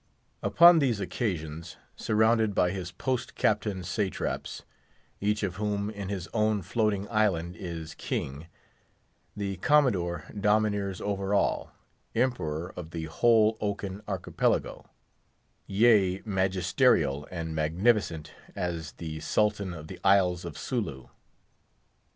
Upon these occasions, surrounded by his post captain satraps—each of whom in his own floating island is king—the Commodore domineers over all—emperor of the whole oaken archipelago; yea, magisterial and magnificent as the Sultan of the Isles of Sooloo.